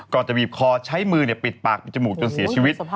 จะบีบคอใช้มือปิดปากปิดจมูกจนเสียชีวิต